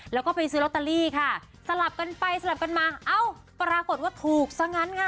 แล้วก็ไปซื้อลอตเตอรี่ค่ะสลับกันไปสลับกันมาเอ้าปรากฏว่าถูกซะงั้นค่ะ